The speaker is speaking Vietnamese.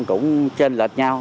cũng trên lệch nhau